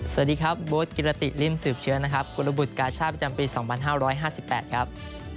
สวัสดีครับโบ๊ทกิรติริมสืบเชื้อนะครับกุลบุตรกาชาติประจำปี๒๕๕๘ครับ